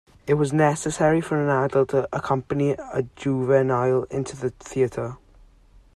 It was necessary for an adult to accompany a juvenile into the theater.